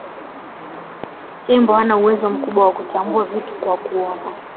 tembo hana uwezo mkubwa wa kutambua vitu kwa kuona